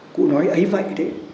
cụ nói ấy vậy đấy